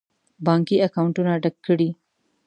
بانکي اکاونټونه ډک کړي.